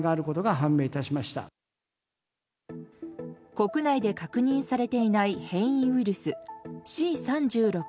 国内で確認されていない変異ウイルスＣ３６